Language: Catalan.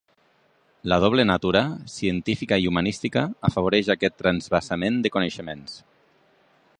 La doble natura, científica i humanística, afavoreix aquest transvasament de coneixements.